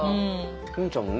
美音ちゃんもね